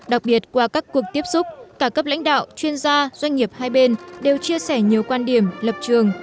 đặc biệt qua các cuộc tiếp xúc cả cấp lãnh đạo chuyên gia doanh nghiệp hai bên đều chia sẻ nhiều quan điểm lập trường